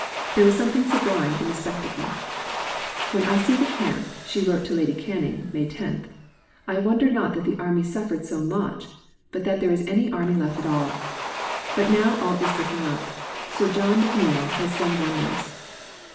There was something sublime in the spectacle." "When I see the camp," she wrote to Lady Canning (May 10), "I wonder not that the army suffered so much, but that there is any army left at all; but now all is looking up. Sir John M'Neill has done wonders."